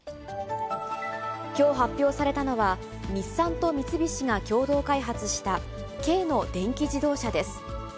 きょう発表されたのは、日産と三菱が共同開発した、軽の電気自動車です。